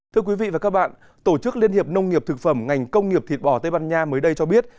thưa quý vị và các bạn tổ chức liên hiệp nông nghiệp thực phẩm ngành công nghiệp thịt bò tây ban nha mới đây cho biết